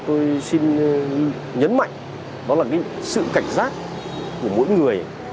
tôi xin nhấn mạnh đó là cái sự cảnh giác của mỗi người